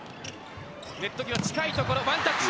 ネット際、近い所、ワンタッチ。